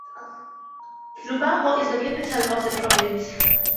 Lubango is the capital of the province.